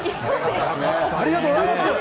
ありがとうございます。